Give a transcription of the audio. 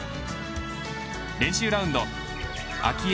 練習ラウンド明愛